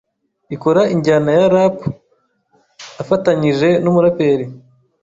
ikora injyana ya Rap, afatanyije n’umuraperi